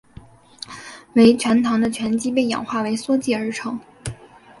为醛糖的醛基被氧化为羧基而成。